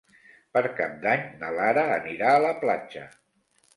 Per Cap d'Any na Lara anirà a la platja.